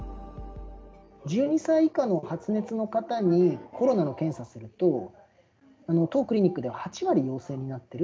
１２歳以下の発熱の方にコロナの検査をすると、当クリニックでは８割陽性になっている。